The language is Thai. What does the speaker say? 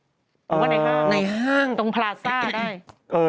หรือว่าในห้างตรงพลาซ่าได้